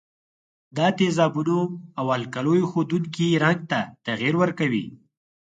د تیزابونو او القلیو ښودونکي رنګ ته تغیر ورکوي.